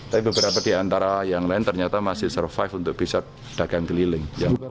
tapi beberapa di antara yang lain ternyata masih survive untuk bisa dagang keliling